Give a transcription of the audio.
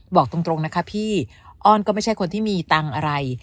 บอกตรงนะคะพี่อ้อนก็ไม่ใช่คนที่มีตังค์อะไร